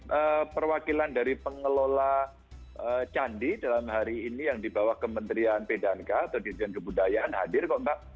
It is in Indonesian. jadi perwakilan dari pengelola candi dalam hari ini yang dibawa ke kementerian pedangka atau kementerian kebudayaan hadir kok mbak